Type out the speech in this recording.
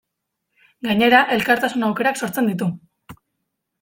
Gainera, elkartasun aukerak sortzen ditu.